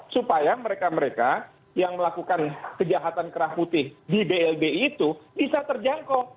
supaya mereka mereka yang melakukan kejahatan kerah putih di blbi itu bisa terjangkau